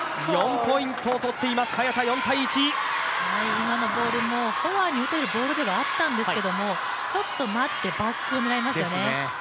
今のボールもフォアに打てるボールではあったんですけれどもちょっと待って、バックを狙いましたよね。